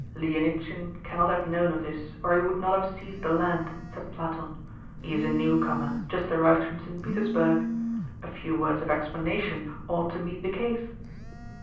"Lienitsin cannot have known of this, or he would not have seized the land," said Platon. "He is a newcomer, just arrived from St. Petersburg. A few words of explanation ought to meet the case."